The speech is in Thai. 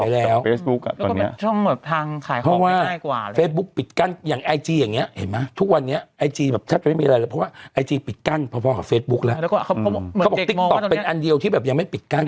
แล้วเขาติ๊กตอบเป็นอันเดียวที่ยังไม่ปิดกั้น